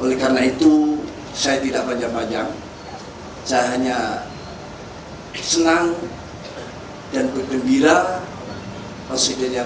oleh karena itu saya tidak panjang panjang saya hanya senang dan bergembira presiden yang